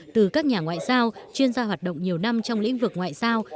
từ các nhà ngoại giao chuyên gia hoạt động nhiều năm trong lĩnh vực ngoại giao